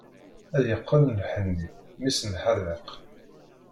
Ad yeqqen lḥenni, mmi-s n lḥadeq.